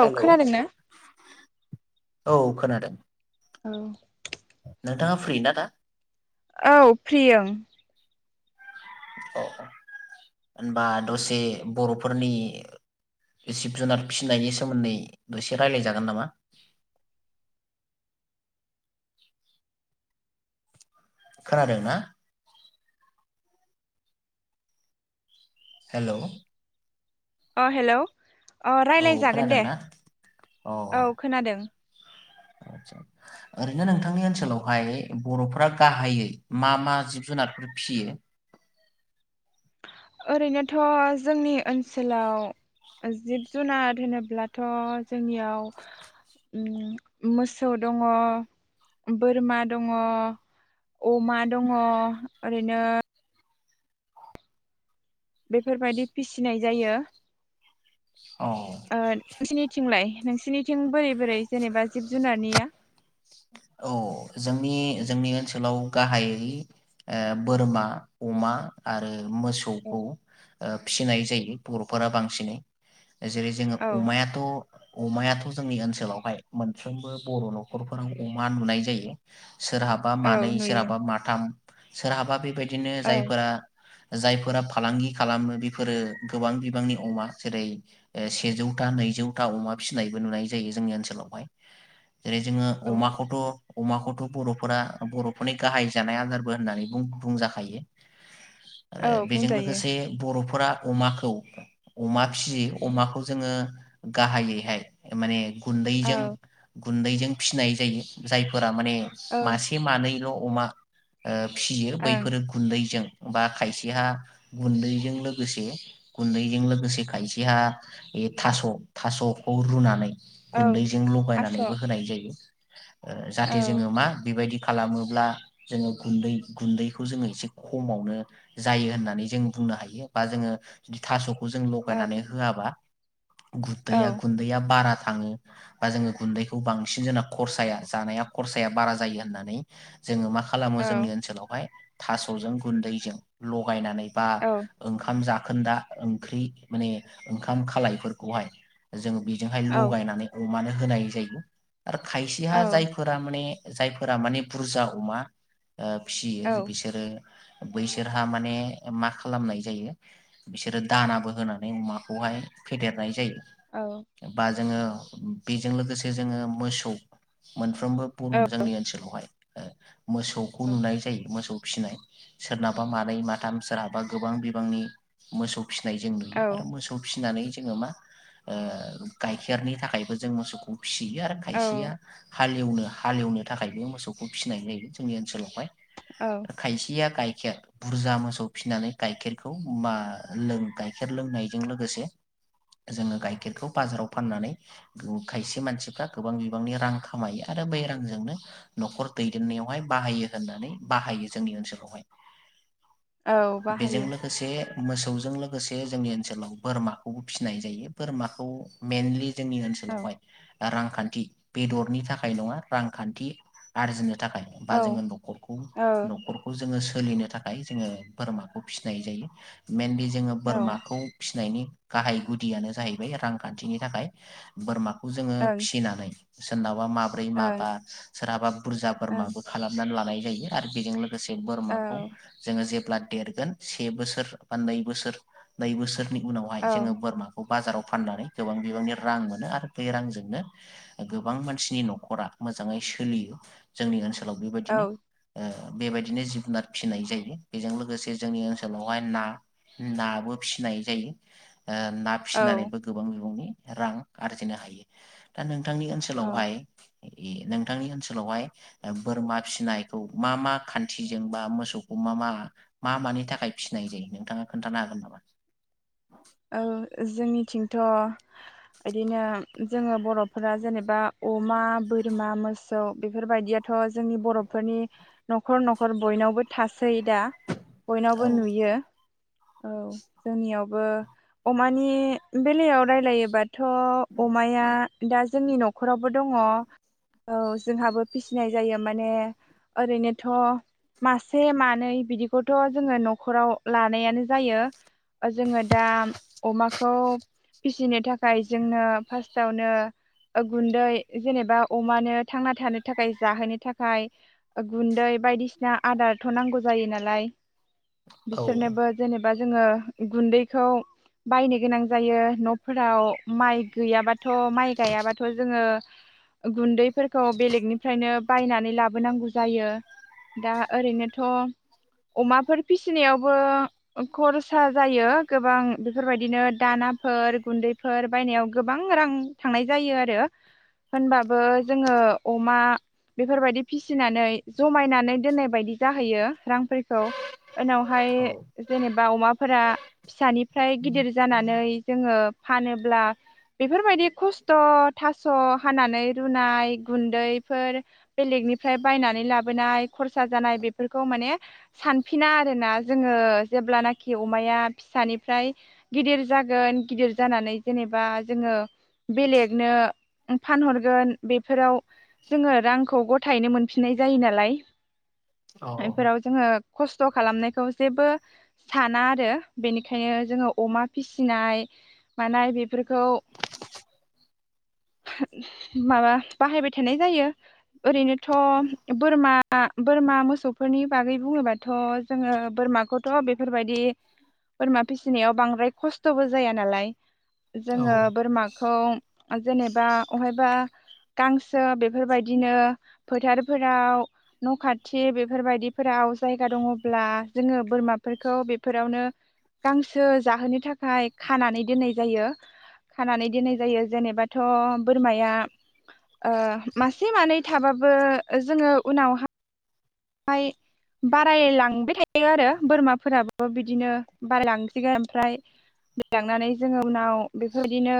औ हेल' खोनादों ना? औ खोनादों। औ। नोंथाङा फ्रि ना दा? औ फ्रि ओं। होनबा दसे बर'फोरनि जिब जुनार फिसिनायनि सोमोन्दै दसे रायलायजागोन नामा? खोनादों ना? हेलौ। अ हेलौ। अ औ रायलायजागोन दे खोनादोंना औ खोनादों। आतसा ओरैनो नोंथांनि ओनसोलावहाय बर'फोरा गाहायै मा मा जिब जुनारफोर फियो? ओरैनोथ जोंनि ओनसोलाव जिब जुनार होनोब्लाथ जोंनियाव ओम मोसौ दङ, बोरमा दङ, अमा दङ ओरैनो। बेफोरबायदि फिसिनाय जायो। अ। ओ नोंसिनिथिंलाय नोंसिनिथिं बोरै बोरै जेनेबा जिब जुनारनिया औ जोंनि जोंनि ओनसोलाव गाहायै ओ बोरमा, अमा आरो मोसौखौ ओ फिसिनाय जायो बर'फोरा बांसिनै। जेरै जोङो औ अमायाथ अमायाथ जोंनि ओनसोलावहाय मोनफ्रोमबो बर' नखरफोराव अमा नुनाय जायो। सोरहाबा मानै औ नुयो सोरहाबा माथाम सोरहाबा बेबाय दिनो औ जायफोरा जायफोरा फालांगि खालामो बेफोरो गोबां बिबांनि अमा जेरै ओ सेजौथा नैजौथा अमा फिसिनायबो नुनाय जायो जोंनि ओनसोलावहाय जेरै जों औ अमाखौथ अमाखौथ बर'फोरा बर'फोरनि गाहाय जानाय आदारबो होननानै बुं-बुंजाखायो। औ ओ बेजों बुंजायो लोगोसे बर'फोरा अमाखौ अमा फियो अमाखौ जोङो गाहायैहाय माने औ गुन्दैजों। गुन्दैजों। फिसिनाय जायो जायफोर मा माने औ मासे मानैल' अमा ओ। फियो ओं बैफोरो गुन्दैजों। बा खायसेहा गुन्दैजों लोगोसे गुन्दैजों लोगोसे खायसेहा थास' थास'खौ रुनानै औ गुन्दैजों थास' औ लगायनानैबो होनाय जायो। [unintelligible] ओ औ जाहाथे जोङो मा बेबायदि खालामोब्ला जोङो गुन्दै गुन्दैखौ जोङो एसे खमावनो जायो होननानै जों बुंनो हायो बा जोङो थास' जों औ लगायनानै होआबा। औ गुन्दैया गुन्दैया बारा थाङो बा जोङो गुन्दैखौ बांसिन जोंना खसाया जानाया खरसाया बारा जायो होननानै जोङो माखा खालामो औ जोंनि ओनसोलावहाय। थास'जों गुन्दैजों लगायनानै बा औ ओंखाम जा खोन्दा ओंख्रि माने ओंखाम खालायफोरखौहाय जों हाय औ लगायनानै ओ मानो होनाय जायो औ खायसेहा जायफोरा माने जायफोरा माने बुरजा अमा ओ फियो बिसोरो बैसोरहा माने मा खालामनाय जायो बिसोरो दानाबो होनानै अमाखौहाय फेदेरनाय जायो। औ बा जोङो बेजों लोगोसे जोङो मोसौ मोन फ्रोमबो बुङ जोंनि ओनसोलावहाय ओ मोसौखौ नुनाय जायो मोसौ फिसिनाय सोरनाबा मानै माथाम सोरहाबा गोबां बिबांनि मोसौ। फिसिनाय जों औ नुयो आरो मोसौ फिसिनानै जोङो मा ओ गाइखेरनि थाखायबो जों मोसौखौ फिसियो आरो खायसेया हालेवनो हालेवनो थाखाय बे मोसौखौ फिसिनाय जायो जोंनि ओनसोलावहाय। औ खायसेया गाय खेर बुरजा मोसौ फिनानै गाइखेरखौ मा गायखेर लोंनायजों लोगोसे जोङो गाइखेरखौ बाजाराव फाननानै खायसे मानसिफ्रा गोबां बिबांनि रां खामायो आरो बै रांजोंनो न'खर दैदेननायावहाय बाहायो होननानै बाहायो जोंनि ओनसोलावहाय। औ बेजों बाहायो। लोगोसे मोसौजों लोगोसे जोंनि ओनसोलाव बोरमाखौबो फिसिनाय जायो बोरमाखौ मेइनलि जोंनि औ ओनसोलावहाय रांखान्थि बेदरनि थाखाय नङा रांखान्थि आरजिनो थाखाय बा औ जोङो न'खरखौ औ न'खरखौ जोङो सो सोलिनो थाखाय जोङो बोरमाखौ फिसिनाय जायो मेइनलि जोङो ओं बोरमाखौ फि नायनि गाहाय गुदियानो जाहैबाय रांखान्थिनि थाखाय बोरमा खौ जोङो औ फिसिनानै [unintelligible] नावबा माब्रै औ माबा सोरहाबा बुरजा बोरमाबो खालामनानै लानाय जायो आरो बेजों लोगो से बोरमाखौ जोङो जेब ब्ला देरगोन से बोसोर बा नै बोसोर नै बोसोर नि उनावहाय जोङो बोरमाखौ बाजाराव फाननानै गोबां बिबांनि रां मोनो आरो बे रांजोंनो गोबां मानसिनि न'खरा मोजाङै सोलियो जोंनि ओनसो सोलाव औ बेबायदिनो ओ बेबायदिनो जिब जुनार फिसिनाय जायो बेजों लोगोसे जोंनि ओनसोलावहाय ना नाबो फिसिनाय जायो। ओ ना औ फिसिनानैबो गोबां बिबुंनि रां आरजिनो हायो दा नों थांनि औ ओनसोलावहाय इदि नोंथांनि ओनसोलावहाय ओ बोरमा फिसिनायखौ मा मा खान्थिजों बा मोसौखौ मा मा मा मानि थाखाय फिसिनाय जायो नोंथाङा खोन्थानो हागोन नामा? औ जोंनिथिंथ' इदिनो जोङो बर'फोरा जेनेबा अमा, बोरमा, मोसौ बेफोरबायदियाथ' जोंनि बर'फोरनि न'खर न'खर बयनावबो थास सै दा औ बयनावबो नुयो। औ जोंनियावबो अमानि बेलायाव रायलायोबाथ' अमाया दा जोंनि न'खरावबो दङ। औ जोंहाबो फिसिनाय जायो। माने ओरैनोथ' मासे मानै बिदिखौथ' जोङो न'खराव लानायानो जायो। ओ जोङोद आम अमाखौ फिसिनो थाखाय जोंनो फास्टावनो ओ गुन्दै जेनेबा अमानो थांना थानो थाखाय जाहोनो थाखाय ओ गुन्दै बायदिसिना आदारथ नांगौ जायो नालाय। औ बिसोरनोबो जेनेबा जोङो गुन्दै खौ बायनो गोनां जायो न'फोराव माइ गैयाबाथ माइ गायाबाथ जोङो गुन्दैफोरखौ बेलेगनिफ्रायनो बायनानै लाबोनांगौ जायो दा औरैनोथ' अमाफोर फिसिनायावबो खरसा जायो। गोबां बेफोरबायदिनो दानाफोर गुन्दैफोर बायनायाव गोबां रां थांनाय जायो आरो होनबाबो जोङो अमा बेफोरबायदि फिसिनानै जमायनानै दोननाय बायदि जाहैयो रांफोरखौ उनावहाय औ जेनेब बा अमाफोरा फिसानिब फ्राय गिदिर जानानै जोङो फानोब्ला बेफोरबायदि खस्थ थास' हानानै रुनाय गुन्दैफोर बेलेगनिफ्राय बायनानै लाबोनाय खरसा जानाय बेफोरखौ माने सानफिना आरोना जोङो जेब्लानाखि अमाया फिसानिफ्राय गिदिर जागोन गिदिर जानानै जेनेबा जोङो बेलेगनो फानहरगोन बेफोराव जोङो रांखौ गथायैनो मोनफिननाय जायो नालाय। इफोराव जोङो खस्थ खालामनायखौ जेबो साना आरो बेनिखायनो जोङो अमा फिसिनाय मानाय बेफोरखौ माबा बाहायबाय थानाय जायो ओरैनोथ' बोरमा बोरमा मोसौफोरनि बागै बुङोबाथ जोङो बोरमाखौथ बेफोरबायदि बोरमा फिसिनायाव बांद्राय खस्थबो जाया नालाय। औ जोङो बोरमाखौ जेनेबा अहायबा गांसो बेफोरबायदिनो फोथारफोराव न' खाथि बेफोर बायदिफोराव जायगा दङब्ला जोङो बोरमाफोरखौ बेफोरावनो गांसो जाहोनो थाखाय खानानै दोननाय जायो खानानै दोननाय जायो जेनेबाथ बोरमाया ओ मासे मानै थाबाबो जोङो उनावहा आय बारायलांबाय थायो आरो बोरमाफोराबो बिदिनो बारायलांसिगोन ओमफ्राय [unintelligible] जोङो उनाव बेफोर बादिनो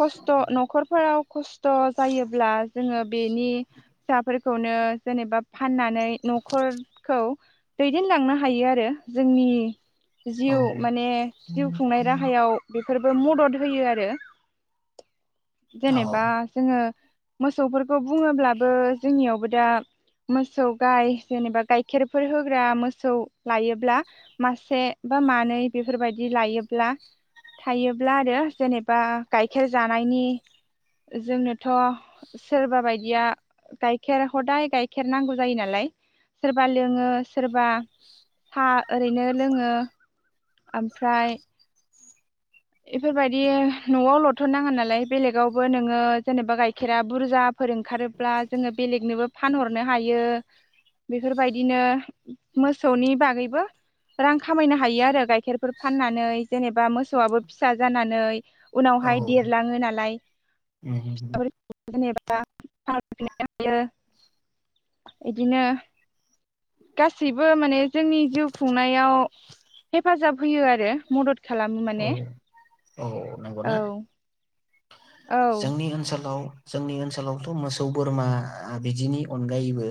खस्थ न'खर फोराव खस्थ' जायोब्ला जोङो बेनि फिसाफोरखौनो जेनेबा फाननानै न'खरखौ दैदेनलांनो हायो आरो जोंनि जिउ माने जिउ खुंनाय राहायाव बेफोरबो मदद होयो आरो। औ औ जेनेबा जोङो मोसौफोरखौ बुङोब्लाबो जोंनियावबो दा मोसौ गाय जेनेबा गाइखेरफोर होग्रा मोसौ लायोब्ला मासे बा मानै बेफोरबायदि लायोब्ला थायोब्ला आरो जेनेबा गाइखेर जानायनि जोंनोथ' सोरबा बायदिया गाइखेर खदाय गाइ खेर नांगौ जायो नालाय सोरबा लोङो सोरबा साहा ओरैनो लोङो ओमफ्राय बेफोरबायदि न'आव लथ' नांङा नालाय बेलेगावबो नोङो जेनेबा गाइखेरा बुरजाफोर ओंखारोब्ला जोङो बेलेगनोबो फानहरनो हायो बेफोरबादिनो मोसौनि बागैबो रां खामायनो हायो आरो गाइखेरफोर फाननानै जेनेबा मोसौवाबो फिसा जानानै औ उनावहाय देरलाङो नालाय [inaudible] जेनेबा [unintelligible] हायो इदिनो गासैबो माने जोंनि जिउ खुंनायाव हेफाजाब होयो आरो मदद खालामो औ माने औ नंगौना औ। औ जोंनि ओनसोलाव जोंनि ओनसोलावथ' मोसौ बोरमा बिदिनि अनगायैबो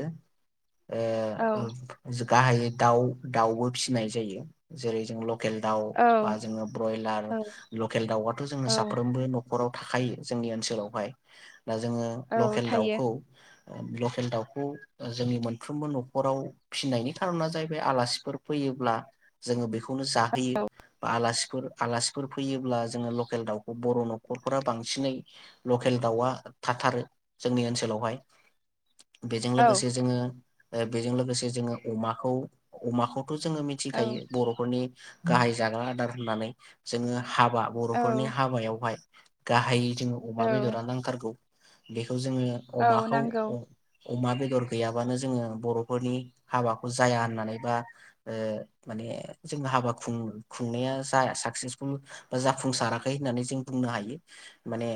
औ ओ [inaudible] गाहायै दाउ दाउबो फिसिनाय जायो जेरै जों लकेल दाउ औ बा जोङो ब्रयलार औ लकेल दाउआथ' जोङो औ साफ्रोमबो न'खराव थाखायो। जोंनि ओनसोलावहाय दा जोङो औ लकेल थायो दाउखौ लकेल दाउखौ ओ जोंनि मोनफ्रोमबो न'खराव फिसिनायनि खारना जाहैबाय आलासिफोर फैयोब्ला जोङो बे खौनो जाहोयो औ बा आलासि फोर आलासिफोर फैयोब्ला जोङो लकेल दाउखौ बर' न'खरफोरा बांसिनै लकेल दावा थाथारो जोंनि ओनसोलावहाय बेजों औ लोगोसे जोङो बेजों लोगोसे जोङो अमाखौ अमाखौ थ' जोङो औ मिथिखायो बर'फोरनि गाहाय जाग्रा आदार होननानै जोङो हाबा औ बर'फोरनि हाबायावहाय गाहायै जों अमा औ बेदरा नांथारगौ। बे खौ जोङो औ अमाखौ नांगौ अ अमा बेदर गैयाबानो जोङो बर'फोरनि हाबाखौ जाया होननानै बा ओ माने जों हाबा खुं खुंनाया जा साकसेसफुल बा जाफुंसाराखै होननानै जों बुंनो हायो माने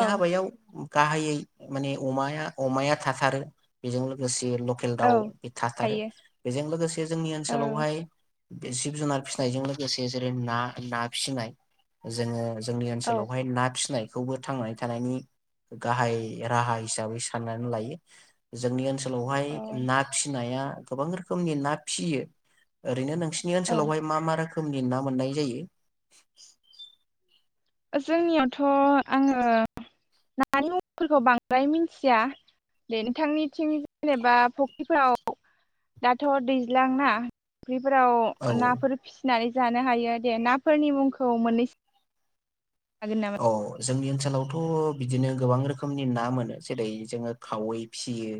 औ हाबायाव गाहायै माने अमाया अमाया थाथारो बेजों लोगोसे लकेल औ दाउ बे थाथारो थायो बेजों लोगोसे जोंनि औ ओनसोलावहाय बे जिब जुनार फिसिनायजों लोगोसे जेरै ना ना फिसिनाय जोङो जोंनि औ ओनसोलावहाय ना फिसिनाय। बेखौबो थांनानै थानायनि गाहाय राहा हिसाबै साननानै लायो जोंनि ओनसोल औ ओनसोलावहाय ना फिसिनाया गोबां रोखोमनि ना फिसियो ओरैनो नों नोंसिनि औ ओनसोलावहाय मा मा रोखोम रोखोमनि ना मोननाय जायो जोंनियावथ' आङो नानि मुंफोरखौ बांद्राय मिनथिया दे नोंथांनिथिं जेनेबा फुख्रिफोराव दाथ' दैज्लां ना फख्रि फोराव औ नाफोर फिसिनानै जानो हायो दे नाफोरनि मुंखौ मोननैसो हागोन नामा? औ स जोंनि ओनसोलावथ' बिदिनो गोबां रोखोमनि ना मोनो जेरै जोङो खावै फियो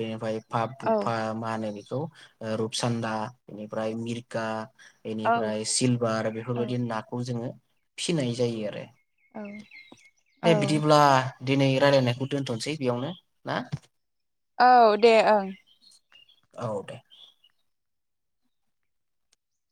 बेनिफ्राय [unintelligible] औ मा‌ होनो बे स रुपसान्दा इनिफ्राय मिरगा औ एनिफ्राय सिलभार औ बेफोरबायदि नाखौ जोङो फिनाय जायो आरो औ दे औ बिदिब्ला दिनै रायलायनायखौ दोनथनोसै बेयावनो ना औ दे ओं औ दे